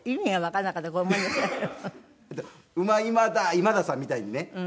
今田さんみたいにね。